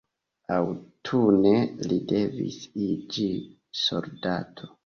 Aŭtune li devis iĝi soldato.